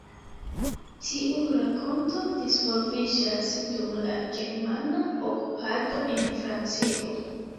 Tiu rakonto disvolviĝas dum la germana okupado en Francio.